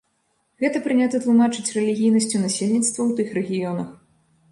Гэта прынята тлумачыць рэлігійнасцю насельніцтва ў тых рэгіёнах.